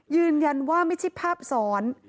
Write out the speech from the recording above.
ยืนยันว่าไม่ใช่ภาพซ้อน